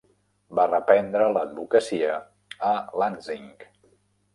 Va reprendre l'advocacia a Lansing.